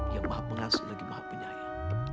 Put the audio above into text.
yang maha pengasuh lagi maha penyayang